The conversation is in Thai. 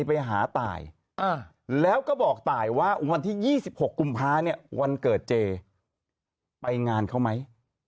ไปหาตายแล้วก็บอกตายว่าวันที่๒๖กุมภาเนี่ยวันเกิดเจไปงานเขาไหม